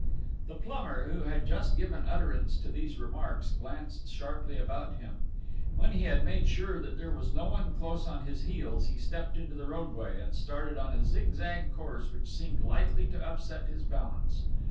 The plumber, who had just given utterance to these remarks, glanced sharply about him. When he had made sure that there was no one close on his heels, he stepped into the roadway, and started on a zigzag course which seemed likely to upset his balance.